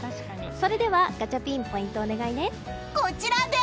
それではガチャピンポイントをお願いね。